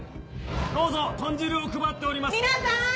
どうぞ豚汁を配っており皆さん！